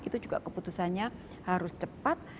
itu juga keputusannya harus cepat